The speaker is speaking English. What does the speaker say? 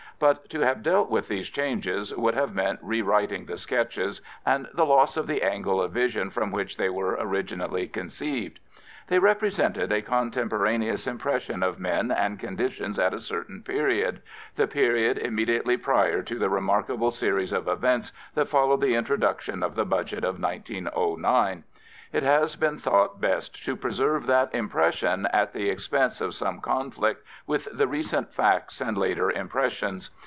But to have dealt with these changes would have meant re writing the sketches and the loss of the angle of vision from which they were originally conceived. They represented a contemporaneous im pression of men and conditions at a certain period — the period immediately prior to the remarkable series of events that followed the introduction of the Budget of 1909. It has been thought best to preserve that impression at the expense of some conflict with the recent facts and later impressions.